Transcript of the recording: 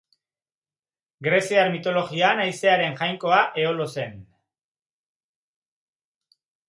Greziar Mitologian, haizearen jainkoa Eolo zen.